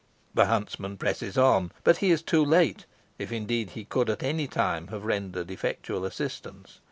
The huntsman presses on, but he is too late, if, indeed, he could at any time have rendered effectual assistance.